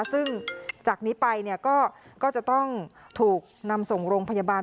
ซึ่งจากนี้ไปก็จะต้องถูกนำส่งโรงพยาบาล